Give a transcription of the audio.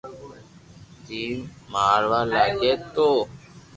جيم ماروا لاگي تو